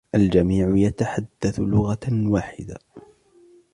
الجميع يتحدث لغةً واحدةً.